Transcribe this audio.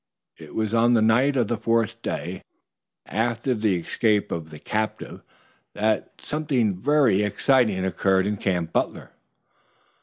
It was on the night of the fourth day after the escape of the captive that at something very exciting occurred in Camp Butler.